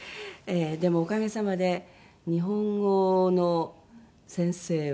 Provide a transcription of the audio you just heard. でもおかげさまで日本語の先生は中村メイコさん。